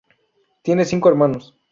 Tiene cinco hermanos.